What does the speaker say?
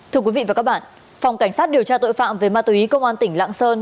thưa quý vị và các bạn phòng cảnh sát điều tra tội phạm về ma túy công an tỉnh lạng sơn